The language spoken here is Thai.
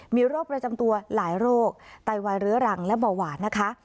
มีโรคประจำตัวหลายโรคไตวายเรื้อรังและเบาหวานนะคะ